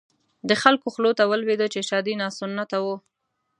د خلکو خولو ته ولويده چې شهادي ناسنته وو.